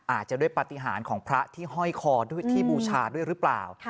อาจจะด้วยปฏิหารของพระที่ห้อยคอด้วยที่บูชาด้วยหรือเปล่า